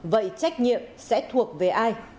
vậy trách nhiệm sẽ thuộc về ai